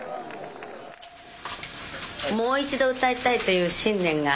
もう一度歌いたいという信念が。